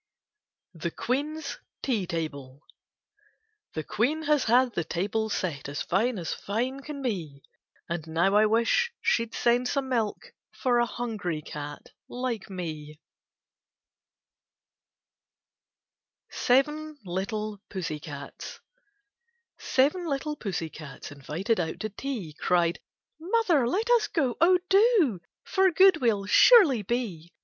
THE QUEEN'S TEA TABLE The Queen has had the table set, As fine as fine can be, And now I wish she 'd send some milk For a hungry eat like me. 76 KITTENS AND CATS SEVEN LITTLE PUSSY CATS Seven little pussy cats, invited out to tea, Oied: 'Mother, let us go. Oh, do! for good we '11 surely be.